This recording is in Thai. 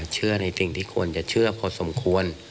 ในสิ่งที่ควรจะเชื่อพอสมควร